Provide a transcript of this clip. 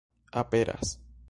aperas